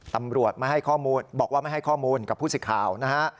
ตำรวจบอกว่าไม่ให้ข้อมูลกับผู้สิทธิ์ข่าว